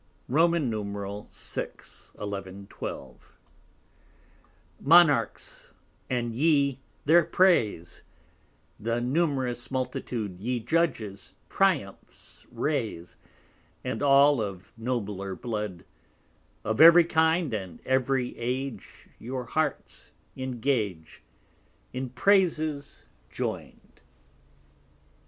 _ VI. 11, 12 _Monarchs, and ye their Praise, The num'rous Multitude; Ye Judges, Triumphs raise; And all of nobler Blood: Of ev'ry kind, And ev'ry Age, Your Hearts engage, In Praises join'd.